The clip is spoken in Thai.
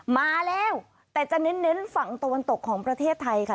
มาแล้วแต่จะเน้นฝั่งตะวันตกของประเทศไทยค่ะ